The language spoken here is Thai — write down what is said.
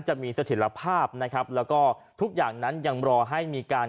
จะมีสถิตภาพนะครับแล้วก็ทุกอย่างนั้นยังรอให้มีการ